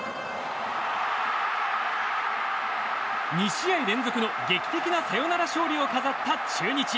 ２試合連続の劇的なサヨナラ勝利を飾った中日。